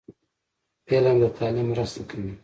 فلم د تعلیم مرسته کوي